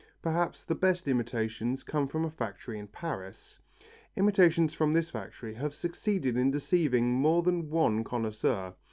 Perhaps the best imitations come from a factory in Paris. Imitations from this factory have succeeded in deceiving more than one connoisseur.